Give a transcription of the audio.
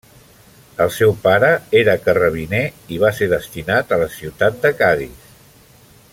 El seu pare era carrabiner i va ser destinat a la ciutat de Cadis.